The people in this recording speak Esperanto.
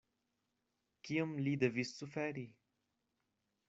Kiom li devis suferi!